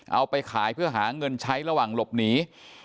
เอาไปขายเพื่อหาเงินใช้ระหว่างหลบหนี